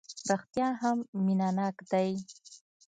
رېښتیا هم مینه ناک دی.